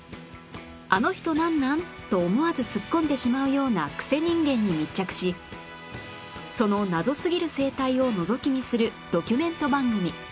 「アノ人なんなん？」と思わずツッコんでしまうようなクセ人間に密着しその謎すぎる生態をのぞき見するドキュメント番組